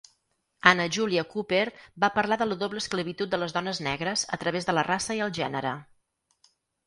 Anna Julia Cooper va parlar de la doble esclavitud de les dones negres a través de la raça i el gènere.